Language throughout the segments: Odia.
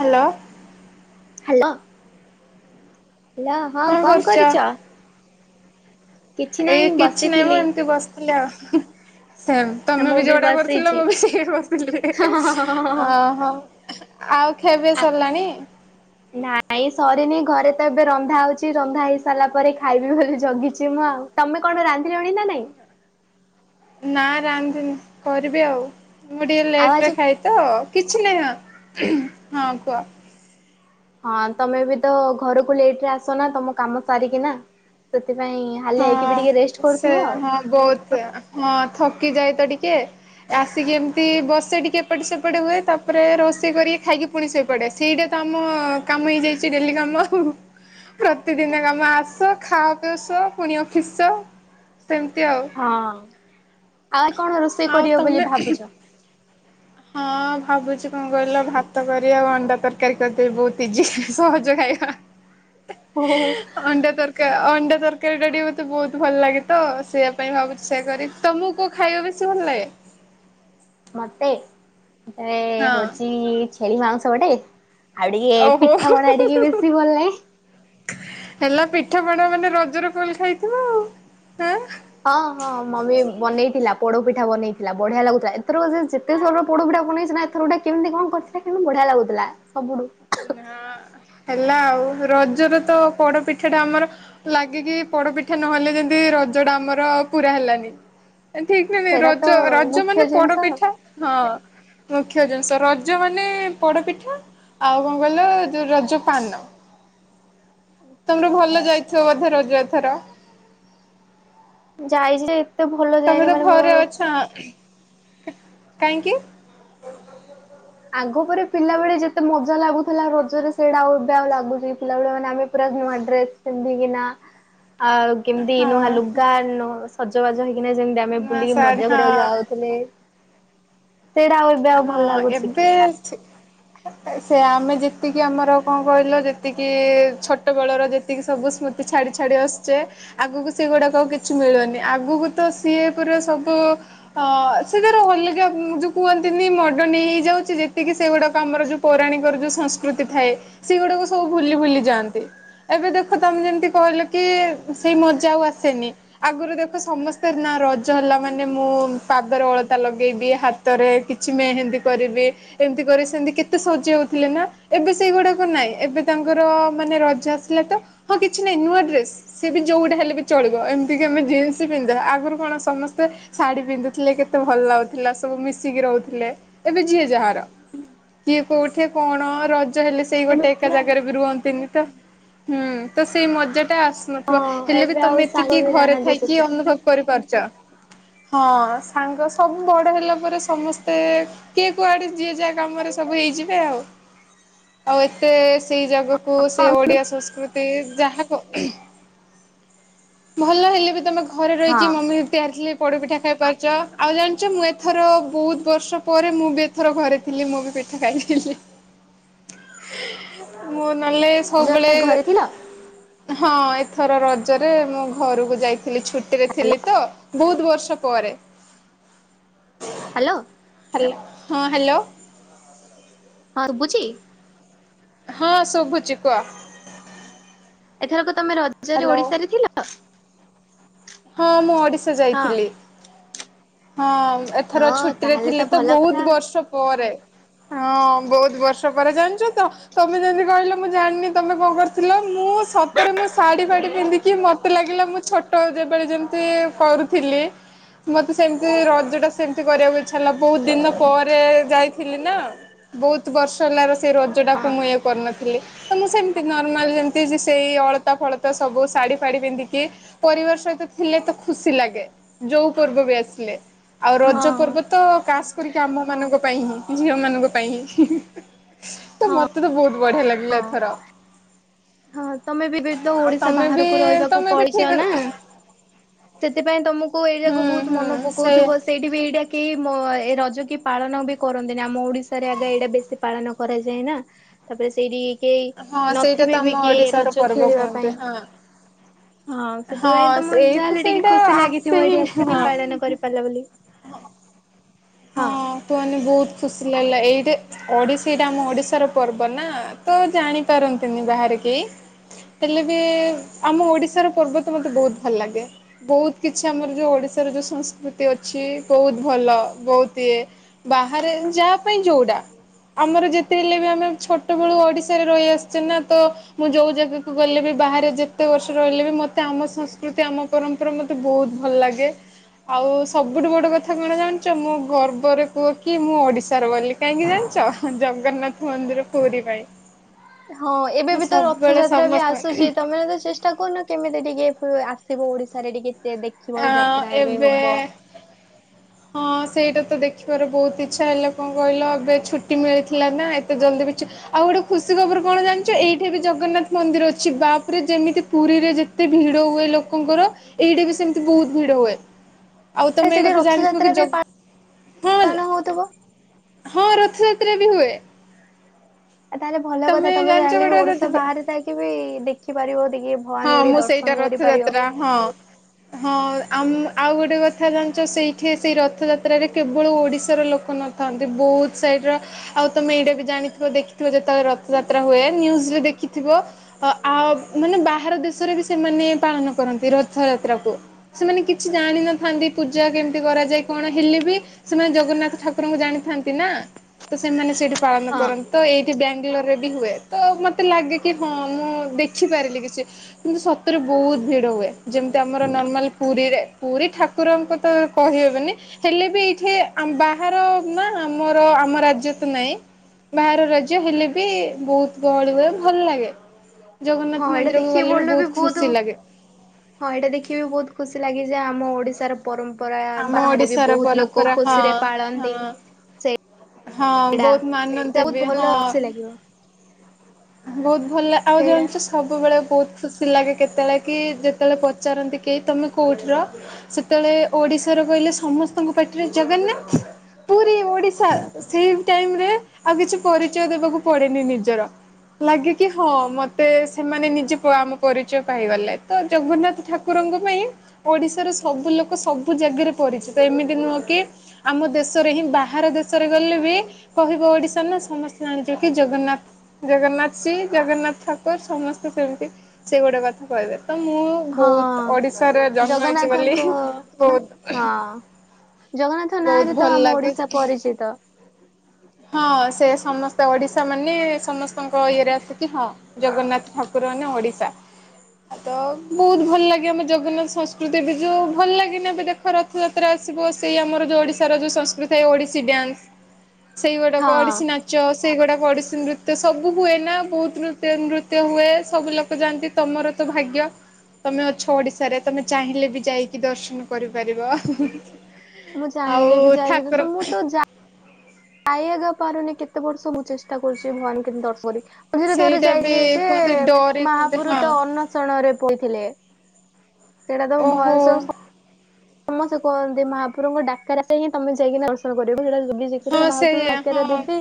ହାଲୋ। ହାଲୋ। ହାଲୋ, ହଁ କଣ କରୁଚ? ଏଇ କିଛି ନାଇଁ ମ, ବସିଥିଲି ଏମିତି ବସିଥିଲି ଆଉ, ସେମ୍। ତମେ ମୁଁ ବି ଯୋଉଟା କରୁଥିଲ, ବସିଛି। ମୁଁ ବି ସେଇଆ କରୁଥିଲି, ହି ହି ଅହ। ଆଉ ଖିଆପିଆ ସରିଲାଣି? ନାଇଁ ସରିନି, ଘରେ ତ ଏବେ ରନ୍ଧା ହଉଚି, ରନ୍ଧା ହେଇ ସାରିଲା ପରେ ଖାଇବି ବୋଲି ଜଗିଚି ମୁଁ ଆଉ। ତମେ କଣ ରାନ୍ଧିଲଣି ନା ନାଇଁ? ନା ରାନ୍ଧିନି, କରିବି ଆଉ, ମୁଁ ଟିକେ ଆଉ ଲେଟ୍ ରେ ଆଜି ଖାଇ ତ, କିଛି ନାହିଁ ଅ, ହଁ କୁହ? ହଁ ତମେ ବି ତ ଘରକୁ ଲେଟ୍ ରେ ଆସ ନା, ତମ କାମ ସାରିକିନା, ସେଥିପାଇଁ ହାଲିଆ ହେଇକି ବି ଟିକେ ରେଷ୍ଟ୍ କରୁଥିବ ଆଉ। ବହୁତ୍, ହଁ ଥକି ଯାଏ ତ ଟିକେ। ଆସିକି ଏମିତି ବସେ ଟିକେ ଏପଟେ ସେପଟେ ହୁଏ, ତାପରେ ରୋଷେଇ କରିକି ଖାଇକି ପୁଣି ଶୋଇପଡେ, ସେଇଟା ତ ଆମ କାମ ହେଇଯାଇଚି ଡେଲି କାମ ଆଉ। ପ୍ରତିଦିନିଆ କାମ, ଆସ ଖାଅ ପିଅ ଶୁଅ, ପୁଣି ଅଫିସ୍ ଯାଅ। ସେମିତି ଆଉ। ହଁ ଆଉ କଣ ରୋଷେଇ ଆଉ କରିବ ବୋଲି ତମେ? ଭାବୁଛ? ହଁ ଆଉ ଭାବୁଚି କଣ କହିଲ, ଭାତ୍ କରିଆ ଆଉ ଅଣ୍ଡା ତରକାରୀ କରିଦେବି ବହୁତ ଇଜି, ସହଜ ଖାଇବା। ହୋ ହୋ ହୋ। ଅଣ୍ଡା ତରକାରୀ, ଅଣ୍ଡା ତରକାରୀଟା ଟିକେ ମୋତେ ବହୁତ ଭଲ ଲାଗେ ତ, ସେଇଆ ପାଇଁ ଭାବୁଚି ସେଇଆ କରିମି। ତମୁକୁ କୋଉ ଖାଇବା ବେଶୀ ଭଲ ଲାଗେ? ମତେ ହଉଚି ହଁ ଛେଳି ମାଂସ ଗୋଟେ ଆଉ ଟିକେ ଓହୋ ପିଠା ପଣା ଟିକେ ବେଶୀ ଭଲ ଲାଗେ। ହେଲା ପିଠାପଣା ମାନେ ରଜରେ ଫୁଲ୍ ଖାଇଥିବ ଆଉ, ଆଁ ହଁ ହଁ ମମି ବନେଇଥିଲା, ପୋଡପିଠା ବନେଇଥିଲା, ବଢିଆ ଲାଗୁଥିଲା, ଏଥରକ ସେ ଏତେଥର ପୋଡପିଠାକୁ ବନେଇଛିନା, ଏଥରଗୋଟେ କେମିତି କଣ କରିଥିଲା କିନ୍ତୁ ବଢିଆ ଲାଗୁଥିଲା ସବୁଠୁ। ହଁ ହେଲା ଆଉ, ରଜରେତ ପୋଡ ପିଠା ଟା ଆମର ଲାଗିକି, ପୋଡପିଠା ନହେଲେ ଯେମିତି ରଜ ଟା ଆମର ପୁରା ହେଲାନି। ଠିକ ନାହିଁ, ସେଇଟା ତ ରଜ, ରଜ ମୁଖ୍ୟ ମାନେ ଜିନିଷ ପୋଡ ପିଠା। ଆଉ। ହଁ ମୁଖ୍ୟ ଜିନିଷ, ରଜ ମାନେ ପୋଡପିଠା ଆଉ କଣ କହିଲ, ଯୋଉ ରଜ ପାନ, ତମର ଭଲ ଯାଇ ଥିବ ବୋଧେ ରଜ ଏଥର। ଯାଇଚି ତମେ ତ ଘରେ ଅଛ, କାହିଁକି? ଆଗ ପରେ ପିଲାବେଳେ ଯେତେ ମଜା ଲାଗୁଥିଲା ରଜରେ ସେଇଟା ଆଉ ଏବେ ଲାଗୁଛି ପିଲା ଭଳିଆ ମାନେ ଆମେ ପୁରା ନୂଆ ଡ୍ରେସ୍ ପିନ୍ଧିକିନା, ଆଉ କେମିତି ହଁ ନୂଆ ହଁ। ଲୁଗା, ନ ସଜବାଜ ହେଇକିନା ଯେମିତି ଆମେ ନୂଆ ବୁଲିକି ଶାଢ଼ୀ ମଜା କରିବାକୁ ଯାଉଥିଲେ ସେଇଟା ଆଉ ଆଉ ଭଲ ହଁ ଲାଗୁଛି କି? ଏବେ ଅଛି ସେ ଆମେ ଯେତିକି ଆମର କଣ କହିଲ, ଯେତିକି ଛୋଟ ବେଳର ଯେ ଯେତିକି ସବୁ ସ୍ମୃତି ଛାଡ଼ି ଛାଡ଼ି ଆସୁଛେ ଆଗକୁ ସେଗୁଡାକ ଆଉ କିଛି ମିଳୁନି, ଆଗକୁ ତ ସିଏ ପୁରା ସବୁ ଅ ସେ ତାର [unintelligible] କି ଯୋଉ କୁହନ୍ତି ଏନି ମଡ଼ର୍ଣ୍ ହେଇଯାଉଚି, ଯେତିକି ସେଗୁଡ଼ାକ ଆମର ଯୋଉ ପୌରାଣିକର ଯୋଉ ସଂସ୍କୃତି ଥାଏ ସେଗୁଡାକ ସବୁ ଭୁଲି ଭୁଲି ଯାଆନ୍ତି। ଏବେ ଦେଖ ତମେ ଯେମିତି କହିଲ କି ସେଇ ମଜା ଆଉ ଆସେନି। ଆଗରୁ ଦେଖ ସମସ୍ତେ ନା ରଜ ହେଲା ମାନେ ମୁଁ ପାଦରେ ଅଳତା ଲଗେଇଦିଏ, ହାତରେ କି ଛି ମେହେନ୍ଦି କରିବି। ଏମିତି କରି ସେମିତି କେତେ ସଜେଇ ହଉଥିଲେ ନା? ଏବେ ସେଇଗୁଡାକ ନାଇଁ ଏବେ ତାଙ୍କର ମାନେ ରଜ ଆସିଲା ତ ହଁ କିଛି ନାଇଁ ନୂଆ ଡ୍ରେସ୍। ସିଏ ବି ଯୋଉଟା ହେଲେ ବି ଚଳିବ, ଏମିତିକି ଆମେ ଜିନ୍ସ ପିନ୍ଧିବା ଆଗରୁ କଣ ସମସ୍ତେ ଶାଢୀ ପିନ୍ଧୁଥିଲେ କେତେ ଭଲ ଲାଗୁଥିଲା ସବୁ ମିଶିକି ରହୁ ଥିଲେ ଏବେ ଯିଏ ଯାହାର, କିଏ କୋଉଠି କଣ ରଜ ହେଲେ ସେଇ ଏବେ ଗୋଟେ ଏକା ପୁରା ଜାଗାରେ ବି ରୁହନ୍ତିନି ତ, ହୁଁ ତ ସେଇ ମଜାଟା ଆସୁ ନଥିବ ହଁ ହେଲେ ବି ଏବେ ଆଉ ତମେ ସାଙ୍ଗ ଏତିକି ବି ଘରେ ନାହାନ୍ତି ଥାଇକି ସେତେ ଅନୁଭବ କରିପାରୁଚ। ହଁ ସାଙ୍ଗ ସବୁ ବଡ଼ ହେଲା ପରେ ସମସ୍ତେ ତେ କିଏ କୁଆଡେ ଯିଏ ଯା କାମରେ ସବୁ ହେଇଯିବେ ଆଉ। ଆଉ ଏତେ ସେଇ ଜାଗାକୁ ସେଇ ହଁ ଓଡିଆ ସଂସ୍କୃ ତି ଯାହା କ [unintelligible] ଭଲ ହେଲେ ବି ତମେ ଘରେ ରହିକି ମମି ତିଆରିଥିଲେ ପୋଡ଼ପିଠା ଖାଇପାରୁଛ, ଆଉ ଜାଣିଛ ମୁଁ ଏଥର ବୋହୁତ ବର୍ଷ ପରେ ମୁଁ ବି ଏଥର ଘରେ ଥିଲି ମୁଁ ବି ପିଠା ଖାଇଥିଲି। ମୁଁ ନଲେ ରଜରେ ସବୁବେଳେ, ଘରେ ଥିଲ ହଁ ଏଥର ରଜରେ ମୁଁ ଘରକୁ ଯାଇଥିଲି ଛୁ ଟିରେ ଥିଲି ତ ବୋହୁତ ବର୍ଷ ପରେ। ହ୍ୟାଲୋ ହାଲୋ ହଁ ହାଲୋ? ହଁ ଶୁବୁଚି? ହଁ ଶୁଭୁଛି କୁହ? ଏଥରକ ତମେ ରଜରେ ହାଲୋ ଓଡିଶାରେ ଥିଲ? ହଁ ମୁଁ ଓଡଡ଼ିଶା ହଁ ଯାଇଥିଲି। ହଁ ଏଥର ହଁ ଛୁଟିରେ ତାହେଲେ ଥିଲି ତ ଭଲ କଥା ବୋହୁତ ବର୍ଷ ପରେ। ହଁ ବୋହୁତ ବର୍ଷପରେ ଜାଣିଚ ତ? ତମେ ଯେମିତି କହିଲ ମୁଁ ଜାଣିନି ତମେ କଣ କରିଥିଲ ମୁଁ ସତରେ ମୁଁ ଶାଢୀ ଫାଢୀ ପିନ୍ଧିକି ମ ମତେ ଲାଗିଲା ମୁଁ ଛୋଟ ଯେବେଳେ ଯେମିତି କରୁଥିଲି ମତେ ସେମିତି ରଜଟା ସେମିତି କରିବାକୁ ଇଚ୍ଛା ହେଲା ବହୁତ୍ ଦିନ ପରେ ଯାଇଥିଲି ନା, ବହୁତ୍ ବର୍ଷ ହେଲା ରୋଷେଇ [unintelligible] ସେଟାକୁ ହଁ ମୁଁ ଇଏ କରିନଥିଲି। ତ ମୁଁ ସେମତି ନର୍ମାଲି ଯେମିତି ସେଇ ଅଳତା ଫଳତା ସବୁ ଶାଢ଼ି ଫାଢ଼ି ପିନ୍ଧିକି ପରିବାର ସହିତ ଥିଲେ ତ ଖୁସି ଲାଗେ ଯୋଉ ପର୍ବ ବି ଆସିଲେ, ଆଉ ରଜ ହଁ ପର୍ବ ତ କାସ୍ କରିକି ଆମ ମାନଙ୍କ ପାଇଁ ହିଁ ଝିଅମାନଙ୍କ ପାଇଁ ହେଇଛି। ତ ହଁ ମତେ ତ ବହୁତ ବଢିଆ ଲାଗିଲା ହଁ ଏଥର। ହଁ ତମେ ବି [unintelligible] ତ ଆଉ ଓଡିଶା ତମେ ବି ବାହାରକୁ ରହିବାକୁ ତମେ ବି ଠିକ ପଳିଚ ନା? ସେଥିପାଇଁ ତମକୁ ଏଇ ହୁଁ ଯାକ ବହୁତ୍ ହୁଁ ମନ ସେଇ ପକଉଥିବ। ସେଇଠି ବି ଏଇଟା କେଇ ମୋ ଏ ରଜ କି ପାଳନ ବି କରନ୍ତିନି ଆମ ଓଡିଶାରେ ଆଗେ ଏଇଟା ବେଶୀ ପାଳନ କରାଯାଏ ନା, ତାପରେ ସେଇଠି କେହି ହଁ ସେଇଟା ତ ନଥିବେ ଆମ ବି। କି ଏ ଓଡିଶାର ରଜ ପର୍ବ ଖେଳିବା କୁହନ୍ତି ପାଇଁ। ହଁ। ହଁ ସେଥିପାଇଁ ହଁ ତ ମୁଁ ସେଇଠୁ ଯାହେଲେ ଟିକେ ସେଇଟା ଖୁସି ଆସେ ଲାଗିଥିବ ହିଁ ଏଇଠି ହଁ ଆସିକି ହଁ ପାଳନ କରିପାରିଲ ବୋଲି। ହଁ କୁହନି ବହୁତ୍ ଖୁସିି ଲାଗିଲା ଏଇଟେ ଓଡିଶୀ ଏଇଟା ଆମ ଓଡିଶାର ପର୍ବ ନା ତ ଜାଣିପାରନ୍ତିନି ବାହାରେ କେଇ? ହେଲେବି ଆମ ଓଡିଶାର ପର୍ବ ତ ମୋତେ ବହୁତ ଭଲ ଲାଗେ। ବହୁତ କିଛି ଆମର ଯୋଉ ଓଡିଶାର ଯୋଉ ସଂସ୍କୃତି ଅଛି ବହୁତ ଭଲ। ବହୁତ ଇଏ, ବାହାରେ ଯା ପାଇଁ ଯୋଉଟା? ଆମର ଯେତେ ହେଲେ ବି ଆମେ ଛୋଟବେଳୁ ଓଡିଶାରେ ରହି ଆସ୍ଚେ ନା ତ ମୁଁ ଯୋଉ ଜାଗାକୁ ଗଲେ ବି ବାହାରେ ଯେତେ ବର୍ଷ ରହିଲେ ବି ମତେ ଆମ ସଂସ୍କୃତି ଆମ ପରମ୍ପରା ମତେ ବହୁତ୍ ଭଲ ଲାଗେ, ଆଉ ସବୁଠୁ ବଡ କଥା କଣ ଜାଣ୍ ଚ ମୁଁ ଗର୍ବରେ କୁହେ କି ମୁଁ ଓଡ଼ିଶାର ବୋଲି କାହିଁକି ଜାଣିଚ, ଜଗନ୍ନାଥ ମନ୍ଦିର ପୁରୀ ପାଇଁ। ହଁ ଏବେ ମୁଁ ବି ତ ସବୁବେଳେ ରଥଯାତ୍ରା ବି ସମସ୍ତ ଆସୁଚି, ତମେ ତ ଚେଷ୍ ଟା କରୁନ କେମିତି ଟିକେ ଫୁ ଆସିବ ଓଡିଶାରେ ଟିକେ ଦେ ଦେଖ୍ ଆଁ ଏବେ ହଁ ସେଇଟା ତ ଦେଖିବାର ବହୁତ୍ ଇଚ୍ଛା ହେଲେ କଣ କହିଲ ଏବେ ଛୁଟି ମିଳୁଥିଲା ନା ଏତେ ଜଲ୍ଦି ବି ଛୁ ଆଉ ଗୋଟେ ଖୁସି ଖବର କଣ ଜାଣିଚ, ଏଇଠି ବି ଜଗନ୍ନାଥ୍ ମନ୍ଦିର ଅଛି ବାପରେ ଯେମିତି ପୁରୀରେ ଯେ ତେ ଭିଡ ହୁଏ ଲୋକଙ୍କର, ଏଇଟି ବି ସେମ୍ତି ବହୁତ୍ ଭିଡ ହୁଏ। ଆଉ ତ ତମେ ଏଇ ସେଠି କଥା ଜାଣିଥିବ ରଥଯାତ୍ରା କି ବି ପା ଜଗ୍ ପାଳନ ହଉଥିବ [unintelligible] ହଁ, ରଥଯାତ୍ରା ବି ହୁଏ। ଆ ତାହେଲେ ଭଲ କଥା ତମେ ଜାଣିଛ ଚାହିଁଲେ ବି ଗୋଟେ ଓଡିଶା କଥା ବାହାରେ ଥାଇକି ବି ଦେଖିପାରିବ ଟିକେ ହଁ ଭଗବାନଙ୍କୁ ଟିକେ ମୁଁ ଦର୍ଶନ ସେଇଟା କରିପାରିବ। ରଥଯାତ୍ରା ହଁ। ହଁ ଆମ ଆଉ ଗୋଟେ କଥା ଜାଣିଚ ସେଇଠି ସେଇ ରଥଯାତ୍ରାରେ କେବଳ ଓଡିଶାର ଲୋକ ନ ଥାନ୍ତି ବହୁତ୍ ସାଇଡ଼୍ର ଆଉ ତମେ ଏଇଟା ବି ଜାଣିଥିବ ଦେଖିଥିବ ଯେତବଳେ ରଥଯାତ୍ରା ହୁଏ ନ୍ୟୁଜରେ ଦେଖଥିବ ଅ ଆ ମାନେ ବାହାର ଦେଶରେ ବି ସେମାନେ ପାଳନ କରନ୍ତି ରଥଯାତ୍ରାକୁ। ସେମାନେ କିଛି ଜାଣିନଥାନ୍ତି ପୂଜା କେମିତି କରାଯାଏ କଣ ହେଲେ ବି ସେମାନେ ଜଗନ୍ନାଥ ଠାକୁରଙ୍କୁ ଜାଣିଥାନ୍ତି ନା, ତ ସେମାନେ ସେଇଠି ପାଳନ ହଁ କରନ୍ ତ ଏଇଠି ବାଙ୍ଗଲୋରରେ ବି ହୁଏ, ତ ମତେ ଲାଗେ କି ହଁ ମୁଁ ଦେଖିପାରିଲି କିଛି। କିନ୍ତୁ ସତରେ ବହୁତ୍ ଭିଡ ହୁଏ, ଯେମ୍ତି ଆମର ନର୍ମାଲ ପୁରୀରେ ପୁରୀ ଠା କୁରଙ୍କୁ ତ କହିହେବନି। ହେଲେ ବି ଏଇଠି ଆମ୍ ବାହାର ନା ଆମର ଆମ ରାଜ୍ୟ ତ ନାଇଁ। ବାହାର ରାଜ୍ୟ ହେଲେ ବି ବହୁତ୍ ଗହଳି ହୁଏ ଭଲ୍ ଲାଗେ, ଜଗନ୍ନାଥ ମନ୍ଦିର୍। ସେ ଭଲ ବି ବଉତୁ ହଁ ଏଇଟା ଦେଖି ବି ବହୁତ୍ ଖୁସି ଲାଗେ ଯେ ଆମ ଓଡିଶାର ପରମ୍ପରା ଆମ ବାହାରେ ବି ଓଡିଶାର ବହୁତ୍ ଲୋକ ପରମ୍ପରା ହଁ ଖୁସିରେ ପାଳନ୍ତି, ହଁ ସେଇ ହଁ ବହୁତ [unintelligible] ମାନନ୍ତି ବହୁତ୍ ବି ଭଲ ଖୁସି ଲାଗିବ। ବହୁତ୍ ଭଲ ଆଉ ସେଇଟା ଜାଣଚ [unintelligible] ସବୁବେଳେ ବହୁତ୍ ଖୁସି ଲାଗେ କେତେବେଳେ କି ଯେତେବେଳେ ପଚାରନ୍ତି କେଇ ତମେ କୋଉଠିର। ସେତେବେଳେ ଓଡିଶାର କଇଲେ ସମସ୍ତଙ୍କ ପାଟିରେ ଜଗନ୍ନାଥ୍। ପୁରୀ ଓଡିଶା ସେଇ ଟାଇମରେ ଆଉ କିଛି ପରିଚୟ ଦେବାକୁ ପଡେନି ନିଜର। ଲାଗେ କି ହଁ ମତେ ସେମାନେ ନିଜେ ଆମ ପରିଚୟ ପାଇଗଲେ ତ ଜଗନ୍ନାଥ ଠା କୁରଙ୍କ ପାଇଁ ଓଡ଼ିଶାର ସବୁ ଲୋକ ସବୁ ଜାଗାରେ ପରିଚିତ, ଏମିତି ନୁହଁ କି ଆମ ଦେଶରେ ହିଁ ବାହାର ଦେଶରେ ଗଲେ ବି କହିବ ଓଡିଶା ନା ସମସ୍ତେ [unintelligible] କି ଜଗନ୍ନାଥ-ଜଗନ୍ନାଥ [unintelligible] ଜଗନ୍ନାଥ ଠାକୁର ସମସ୍ତେ ସେମ୍ତି ସେ ଗୋଟେ କଥା କହିଲେ ତ ମୁଁ ବହୁତ୍ ହଁ ଓଡିଶାରେ ଜନ୍ମ ହେଇଚି ବୋଲି ଜଗନ୍ନାଥଙ୍କ ବହୁତ୍ ଜଗନ୍ନାଥଙ୍କ ନାଁରେ ତ ଆମ ଓଡିଶା ପରିଚିତ। ହଁ ସେ ସମସ୍ତେ ଓଡିଶା ମାନେ ସମସ୍ତଙ୍କ କ ଇଏରେ ଆସ କି ହଁ ଜଗନ୍ନାଥ ଠାକୁର ମାନେ ଓଡ଼ିଶା। ବହୁତ୍ ଭଲ ଲାଗେ ଆମ ଜଗନ୍ନାଥ ସଂସ୍କୃତି ବି ଯୋଉ ଭଲ ଲାଗେନି ଏବେ ଦେଖ ର ଥଯାତ୍ରା ଆସିବ ସେଇ ଆମର ଯୋଉ ଓଡ଼ିଶାର ଯୋଉ ସଂସ୍କୃତି ଥାଏ ଓଡ଼ିଶୀ ଡ୍ୟାନ୍ସ ସେଇଗୁଡାକ ହଁ ଅଡିଶୀ ନାଚ ସେଇଗୁଡାକ ଅଡିଶୀ ନୃତ୍ୟ ସବୁ ସବୁ ହୁଏ ନା ବହୁତ ନୃତ୍ୟ ନୃତ୍ୟ ହୁଏ ସବୁ ଲୋକ ଯାଆନ୍ତି ତମର ତ ଭାଗ୍ୟ ତମେ ଅଛ ଓଡିଶ ରେ ତମେ ଚାହିଁଲେ ବି ଯାଇକି ଦର୍ଶନ କରିପାରିବ। ମୁଁ ଚାହିଁଲେ ବି ଆଉ ଠାକୁର ଖାଇବାଗ ପାରୁନି କେତେ ବର୍ଷ ମୁଁ ଚେଷ୍ଟା କରୁଛି ଭଗବାନ କେମତି ଦ ପରୀକ୍ଷା ମଝିରେ ଥରେ ସେଇଟା ବି ଯାଇଲି ଯେ କୁହନ୍ତି ଡୋରି କୁହନ୍ତି ମହାପୁରୁ ହଁ ତ ଅନ ଣରେ ପଥିଲେ ସେଟା ତମ ଓହୋ ଭୟସ ସମସ୍ତେ କୁହନ୍ତି ମହାପଭୁର ଡାକ ଆ ହିଁ ତମେ ଯାଇକି ଦର୍ଶନ କରିବ ସେଟା? କେବେ ଶିଖ ହଁ ମହାପ୍ରଭୁ ସେଇଆ ଡାକାର ହଁ ଦେବେ?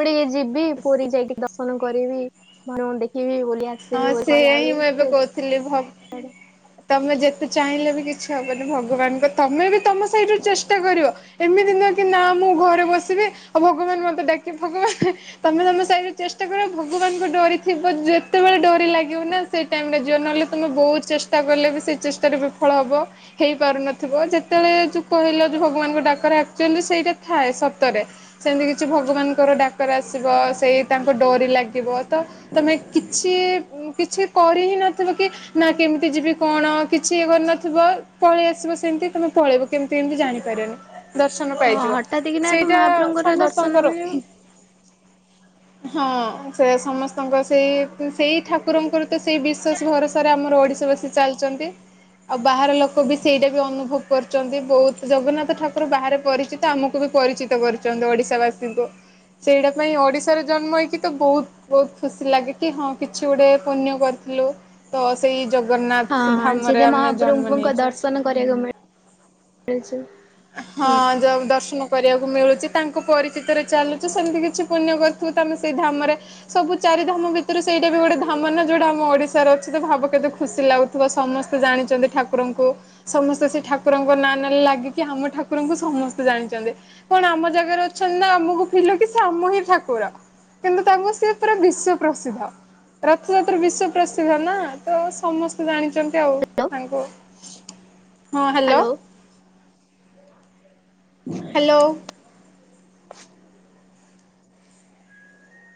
ମୁଁ ଟିକେ ଯିବି ପୁରୀ ଯାଇକି ଦର୍ଶନ କରିବି ଭଗବନ୍ ଦେଖିବି ବୋଲି ହଁ ଆସିବି ବୋଲି ସେୟା କହିଲା ହିଁ ବେଳୁ ମୁଁ ଏବେ ସେ କହୁଥିଲି? ଥିଲ ତମେ ଯେତେ ଚାହିଁଲେ ବି କିଛି ହବନି ଭଗବାନଙ୍କ ତମେ ବି ତମ ସାଇଠରୁୁ ଚେଷ୍ଟା କରିବ। ଏମିତି ନହ କି ନା ମୁଁ ଘରେ ବସିବି ଆଉ ଭଗବାନ ମୋତେ ଡାକି ଭୋଗ ତମେ ତମ ସାହିରେ ଚେଷ୍ଟା କର ଭଗବାନଙ୍କୁ ଡୋରିଥିବ ଯେ ଯେତେବେଳେ ଡୋରି ଲାଗିବ ନା ସେଇ ଟାଇମ ରେ ଯିବ ନହେଲେ ତମେ ବହୁତ ଚେଷ୍ଟା କଲେ ବି ସେ ଚେଷ୍ଟାରେ ବିଫଳ ହବ ହେଇପାରୁନ ଥିବ ଯେତେବେଳେ ଯୋଉ କହିଲ ଯୋଉ ଭଗବାନଙ୍କ ଡାକରା ଆଚୁଆଲି ସେଇଟା ଥାଏ ସତରେ ସେମିତି କିଛି ଭଗବାନଙ୍କର ଡାକର ଆସିବ ସେଇ ତାଙ୍କ ଡରି ଲାଗିବ ତ ତମେ କିଛି କିଛି କରି ହିଁ ନଥିବ କି ନା କେମିତି ଯିବି କଣ କିଛି ଇଏ କରିନଥିବ ପଳେଇ ଆସିବ ସେମିତି ତମେ ପଳେଇବ। କେମିତି କେମିତି ଜାଣିପାରିବନି? ଦର୍ଶନ ହଁ ପାଇଯିବ ହଠାତ୍ କିନା ତ ସେଇଟା ମହାପ୍ରଭୁଙ୍କର ଦର୍ଶନ ସମସ୍ତଙ୍କର। ମିଳିବ ହଁ ସେ ସମସ୍ତଙ୍କ ସେଇ ସେଇ ଠାକୁରଙ୍କର ତ ସେଇ ବିଶ୍ଵାସ ଭରସାରେ ଆମର ଓଡିଶା ବାସୀ ଚାଲିଛନ୍ତି। ଆଉ ବାହାର ଲୋକ ବି ସେଇଟା ବି ଅନୁଭବ କରୁଛନ୍ତି ବହୁତ ଜଗନ୍ନାଥ ଠାକୁର ବାହାରେ ପରିଚିତ। ତ ଆମକୁ ବି ପରିଚିତ କରୁଛନ୍ତି ଓଡିଶା ବାସୀଙ୍କୁ ସେଇଟା ପାଇଁ ଓଡିଶାରେ ଜନ୍ମ ହେଇକି ତ ବହୁତ ବହୁତ ଖୁସି କି ଲାଗେ କି ହଁ କିଛି ଗୋଟେ ପୁଣ କରିଥିଲୁ। ତ ସେଇ ଜଗନ୍ନାଥ ଧାମରେ ଆମେ ଜନ୍ମ ନେଇଛେ। ବତମାନ କରିବାକୁ ପାଇଛୁ। ହଁ ଯଉ ଦର୍ଶନ କରିବାକୁ ମିଳୁଛି ତାଙ୍କୁ ପରିଚିତରେ ଚାଲୁଛୁ ସେମିତି କିଛି ପୁଣ୍ୟ କରିୁଥିବୁ ତମେ ସେଇ ଧାମରେ ସବୁ ଚାରି ଧାମ ଭିତରୁ ସେଇଟା ବି ଗୋଟେ ଧାମ ନା ଯୋଉଟା ଆମ ଓଡିଶାର ଅଛି ତ ଭାବ କେତେ ଖୁସି ଲାଗୁଛି ଥିବା ସମସ୍ତେ ଜାଣିଛନ୍ତି ଠାକୁରଙ୍କୁ ସମସ୍ତେ ସେ ଠାକୁରଙ୍କ ନାଁ ନାଲେ ଲାଗି କି ଆମ ଠାକୁରଙ୍କୁ ସମସ୍ତେ ଜାଣିଛନ୍ତି। କଣ ଆମ ଜାଗାରେ ଅଛନ୍ତି ନା ଆମକୁ ଫିଲୁ କି ସେମ ହିଁ ଠାକୁର। କିନ୍ତୁ ତାଙ୍କୁ ସିଏ ପୁରା ବିଶ୍ଵ ପ୍ରସିଦ୍ଧ। ରଥଯାତ୍ରା ବିଶ୍ଵ ପ୍ରସିଦ୍ଧ ନା ତ ସମସ୍ତେ ସେ ଜାଣିଛନ୍ତି ଆଉ ହ୍ୟାଲୋ ତାଙ୍କୁ ହଁ ହାଲୋ। ହ୍ୟାଲୋ। ହାଲୋ।